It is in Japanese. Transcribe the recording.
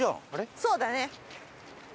そうだね。